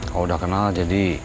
kau udah kenal jadi